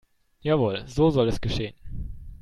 Jawohl, so soll es geschehen.